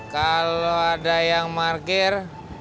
kalau ada yang markir